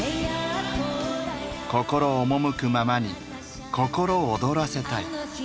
心おもむくままに心躍らせたい。